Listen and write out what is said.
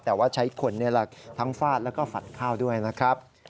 แต่ว่าใช้คนทั้งฟาดแล้วก็ฝัดข้าวด้วยนะครับ